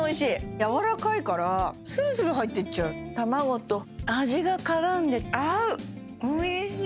やわらかいからするする入ってっちゃう卵と味が絡んで合うおいしい！